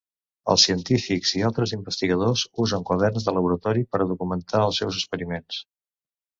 Els científics i altres investigadors usen quaderns de laboratori per a documentar els seus experiments.